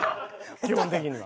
基本的には。